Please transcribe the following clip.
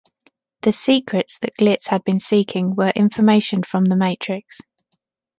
The "secrets" that Glitz had been seeking were information from the Matrix.